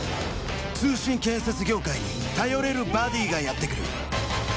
通信建設業界に頼れるバディがやってくる。